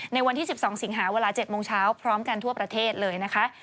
ในวันที่๑๒สิงหาเวลา๗โมงเช้าพร้อมกันทั่วประเทศเลยนะคะ